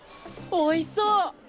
おいしそう！